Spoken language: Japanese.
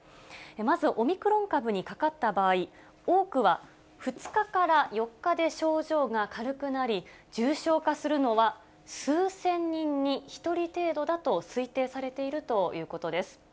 まず、オミクロン株にかかった場合、多くは２日から４日で症状が軽くなり、重症化するのは、数千人に一人程度だと推定されているということです。